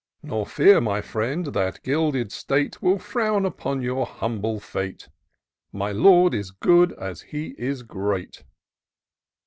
Nor fear, my friend, that gilded state Will frown upon your humble fate : My Lord is good as he is great."